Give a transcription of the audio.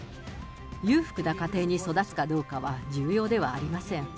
裕福な家庭に育つかどうかは重要ではありません。